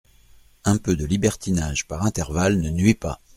Un peu de libertinage par intervalle ne nuit pas.